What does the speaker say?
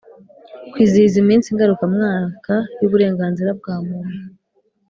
Kwizihiza iminsi ngarukamwaka y uburenganzira bwa Muntu